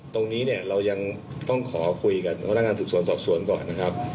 ตรงนี้เนี่ยเรายังต้องขอคุยกับพนักงานสืบสวนสอบสวนก่อนนะครับ